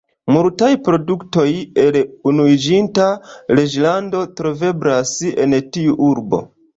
Multaj produktoj el Unuiĝinta Reĝlando troveblas en tiu urbo.